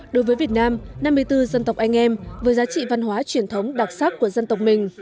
đối với việt nam năm mươi bốn dân tộc anh em với giá trị văn hóa truyền thống đặc sắc của dân tộc mình